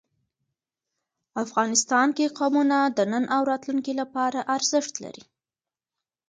افغانستان کې قومونه د نن او راتلونکي لپاره ارزښت لري.